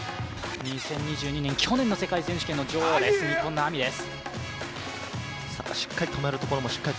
２０２２年去年の世界選手権の女王、日本のＡＭＩです。